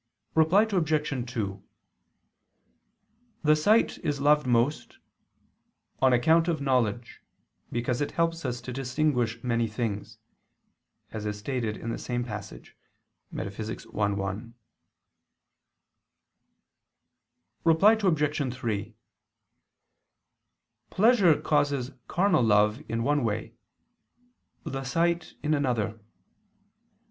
Reply Obj. 2: The sight is loved most, "on account of knowledge, because it helps us to distinguish many things," as is stated in the same passage (Metaph. i, 1). Reply Obj. 3: Pleasure causes carnal love in one way; the sight, in another.